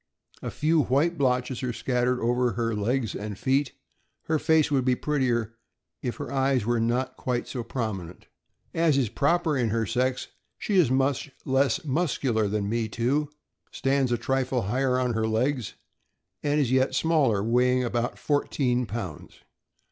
A few white blotches are scattered over her legs and feet. Her face would be prettier if the eyes were not quite so prominent. As is proper in her sex, she is much less muscular than Me Too, stands a trifle higher on her legs, and is yet smaller, weighing about fourteen pounds.